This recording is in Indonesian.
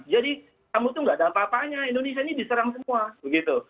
jadi kamu itu nggak ada apa apanya indonesia ini diserang semua begitu